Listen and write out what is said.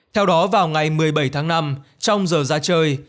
theo đó vào ngày một mươi bảy tháng năm trong giờ ra chơi